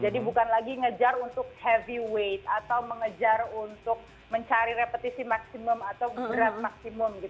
jadi bukan lagi ngejar untuk heavy weight atau mengejar untuk mencari repetisi maksimum atau berat maksimum